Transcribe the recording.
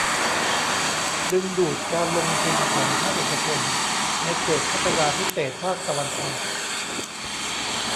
ดึงดูดการลงทุนของภาคเอกชน ในเขตพัฒนาพิเศษภาคตะวันออก